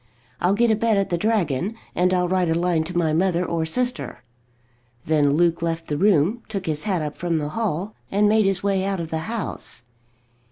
I'll get a bed at the Dragon, and I'll write a line to my mother or sister." Then Luke left the room, took his hat up from the hall, and made his way out of the house.